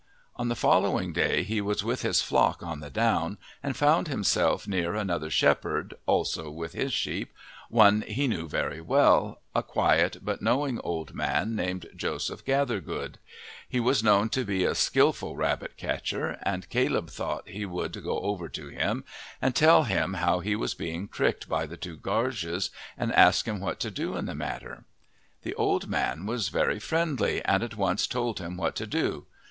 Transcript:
On the following day he was with his flock on the down and found himself near another shepherd, also with his sheep, one he knew very well, a quiet but knowing old man named Joseph Gathergood. He was known to be a skilful rabbit catcher, and Caleb thought he would go over to him and tell him about how he was being tricked by the two Gaarges and ask him what to do in the matter. The old man was very friendly and at once told him what to do.